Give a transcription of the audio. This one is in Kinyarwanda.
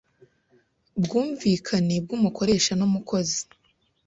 bwumvikane bw umukoresha n umukozi